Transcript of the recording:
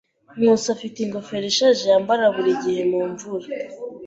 Nkusi afite ingofero ishaje yambara buri gihe mu mvura.